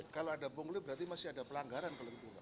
kalau ada pungguli berarti masih ada pelanggaran kelembungan